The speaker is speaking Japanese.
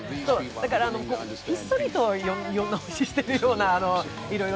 だから、ひっそりと世直ししてるような、いろいろ。